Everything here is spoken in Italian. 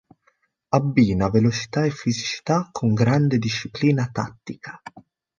Abbina velocità e fisicità con grande disciplina tattica.